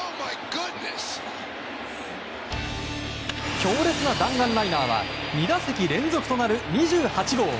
強烈な弾丸ライナーは２打席連続となる２８号。